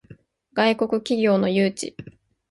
外国企業の誘致